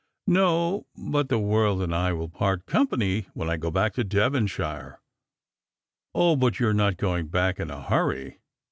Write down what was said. " No ; but the world and I will part company when I go back to Devonshire." " O, but you're not going back in a hurry.